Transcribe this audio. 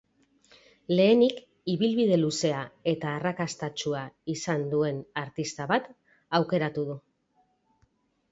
Lehenik, ibilbide luzea eta arrakastatsua izan duen artista bat aukeratu du.